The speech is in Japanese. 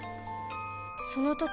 その時